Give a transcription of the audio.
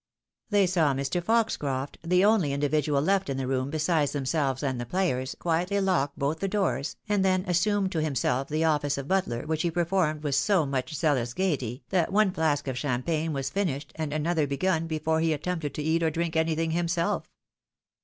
They saw Jlr. Foxcroft, the only individual left in the room besides themselves and the players, quietlylock both the doors, and then assume to himself the office of butler, which he performed with so much zealous gaiety, that one flask of champagne was finished and another begun before he attempted to eat or drink anything himself.